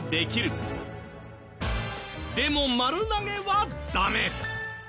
でも丸投げはダメ！